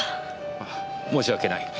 ああ申し訳ない。